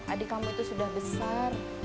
adik kamu itu sudah besar